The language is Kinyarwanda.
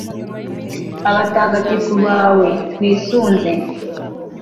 abatagatifu bawe, twisunze